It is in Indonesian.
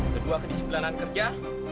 kedua kedisiplinan kerja